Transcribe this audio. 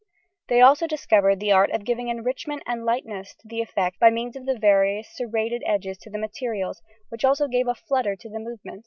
They also discovered the art of giving enrichment and lightness to the effect by means of the various serrated edgings to the materials, which also gave a flutter to the movement.